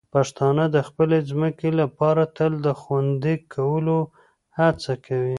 پښتانه د خپلې ځمکې لپاره تل د خوندي کولو هڅه کوي.